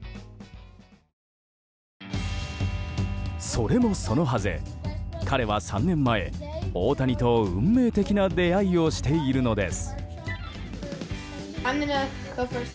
それもそのはず、彼は３年前大谷と、運命的な出会いをしているのです。